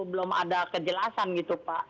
belum ada kejelasan gitu pak